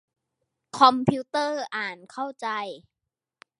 คอมพิวเตอร์อ่านเข้าใจ